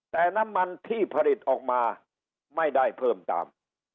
แต่น้ำมันที่ผลิตออกมาไม่ได้เพิ่มตาม